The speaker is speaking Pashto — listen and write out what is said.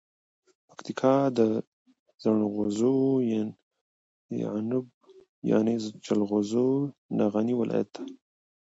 پکتیکا د زنغوزو یعنب جلغوزو نه غنی ولایت ده.